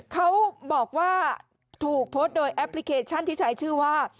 เขาบอกว่าถูกโพสต์โดยแอปพลิเคชันที่ใช้ชื่อว่า